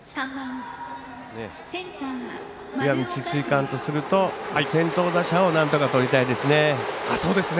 石見智翠館とすると先頭打者をなんとかとりたいですね。